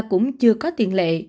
cũng chưa có tiền lệ